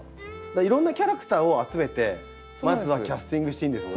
いろんなキャラクターを集めてまずはキャスティングしていいんですね。